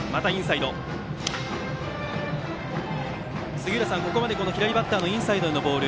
杉浦さん、ここまで左バッターへのインサイドへのボール